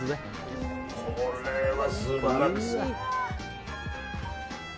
これは素晴らしい。